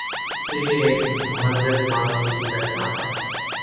یہی ایک مہذب معاشرے کی پہچان ہے۔